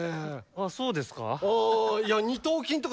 あそうですか？